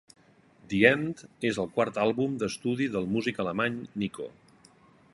"The End..." és el quart àlbum d'estudi del músic alemany Nico.